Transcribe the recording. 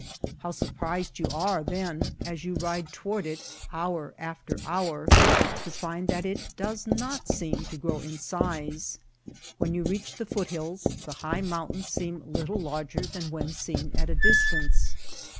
How surprised you are then as you ride toward it, hour after hour, to find that it does not seem to grow in size. When you reach the foot hills the high mountains seem little larger than when seen at a distance.